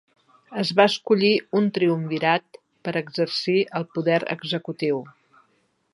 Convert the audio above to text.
Es va escollir un triumvirat per exercir el poder executiu.